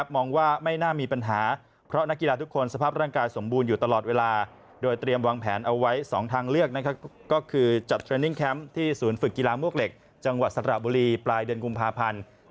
มองว่าไม่น่ามีปัญหา